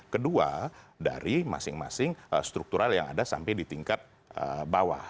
kedua dari masing masing struktural yang ada sampai di tingkat bawah